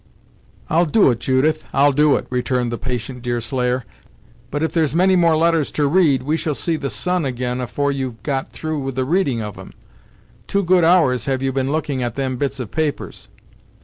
"I'll do it, Judith; I'll do it," returned the patient Deerslayer, "but if there's many more letters to read, we shall see the sun ag'in afore you've got through with the reading of them! Two good hours have you been looking at them bits of papers!"